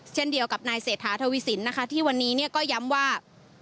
เช่นเดียวกับนายเศรษฐาทวีสินนะคะที่วันนี้เนี่ยก็ย้ำว่า